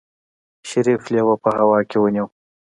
شريف لېوه په هوا کې ونيو.